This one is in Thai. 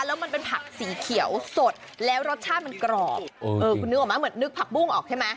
แล้วมันเป็นผักสีเขียวสดแล้วรสชาติมันกรอบคุณนึกออกมั้เหมือนนึกผักบุ้งออกใช่ไหม